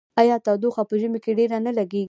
آیا تودوخه په ژمي کې ډیره نه لګیږي؟